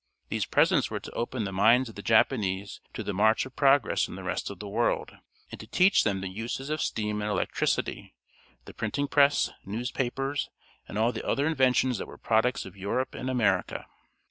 These presents were to open the minds of the Japanese to the march of progress in the rest of the world; and to teach them the uses of steam and electricity, the printing press, newspapers, and all the other inventions that were products of Europe and America.